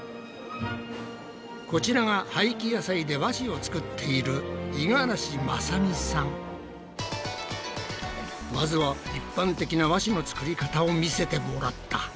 こちらが廃棄野菜で和紙を作っているまずは一般的な和紙の作り方を見せてもらった。